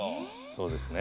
そうですね。